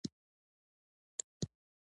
اتفاق او یووالی د ملتونو د بقا راز دی.